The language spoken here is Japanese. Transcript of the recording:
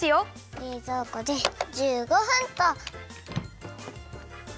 れいぞうこで１５分っと！